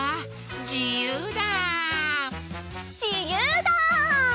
じゆうだ！